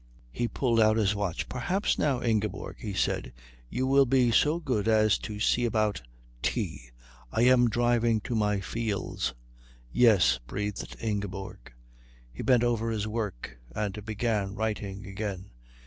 He pulled out his watch. "Perhaps now, Ingeborg," he said, "you will be so good as to see about tea. I am driving to my fields " "Yes," breathed Ingeborg. He bent over his work and began writing again.